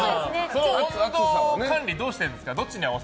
温度管理どうしてるんですか？